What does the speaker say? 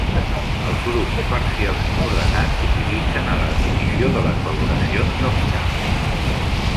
Els grups parcialment ordenats s'utilitzen en la definició de les valoracions dels camps.